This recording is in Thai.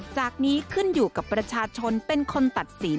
จากนี้ขึ้นอยู่กับประชาชนเป็นคนตัดสิน